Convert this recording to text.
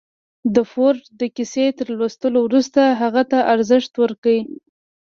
د فورډ د کيسې تر لوستو وروسته هغې ته ارزښت ورکړئ.